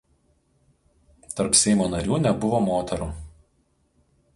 Tarp Seimo narių nebuvo moterų.